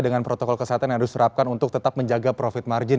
dengan protokol kesehatan yang harus diterapkan untuk tetap menjaga profit margin